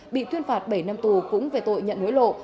bị tuyên phạt bảy năm tù cũng về tội nhận hối lộ